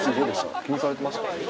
気にされてました？